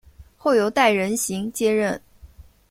后由戴仁行接任。